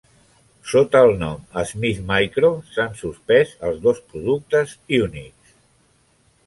Sota el nom Smith Micro, s'han suspès els dos productes Unix.